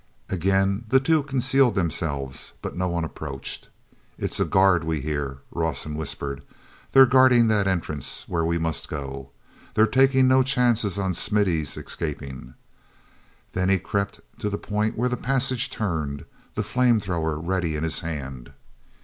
Again the two concealed themselves, but no one approached. "It's a guard we hear," Rawson whispered. "They're guarding that entrance where we must go. They're taking no chances on Smithy's escaping." Then he crept to the point where the passage turned, the flame thrower ready in his hand.